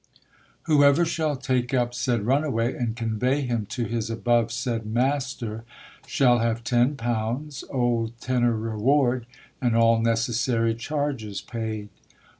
Whoever shall take up said Runaway, and convey him to his above said Master, shall have ten pounds, Old Tenor Reward, and all necessary charges paid.